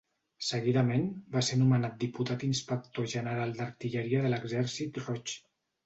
Seguidament va ser nomenat Diputat Inspector General d'Artilleria de l'Exèrcit Roig.